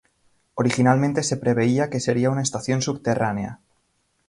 Originalmente se preveía que sería una estación subterránea.